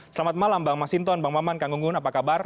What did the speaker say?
selamat malam bang masinton bang maman kang gunggun apa kabar